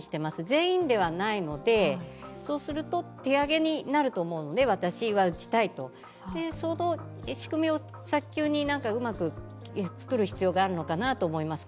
全員ではないので、そうすると手挙げになると思うので私は打ちたいと、その仕組みを早急にうまくつくる必要があるのかなと思います。